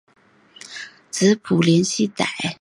子卜怜吉歹。